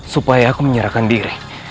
supaya aku menyerahkan diri